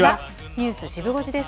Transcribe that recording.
ニュースシブ５時です。